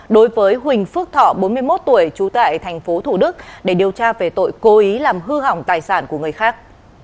đối với huỳnh phước thọ bốn mươi một tuổi trú tại tp thủ đức để điều tra về tội cố ý làm hư hỏng tài sản của người khác